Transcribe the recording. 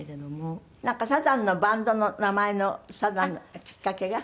なんかサザンのバンドの名前のサザンのきっかけが。